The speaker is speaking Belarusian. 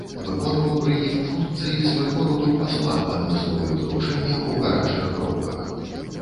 Выконваў пры ім функцыі свайго роду пасла па адмысловых даручэннях у гарачых кропках.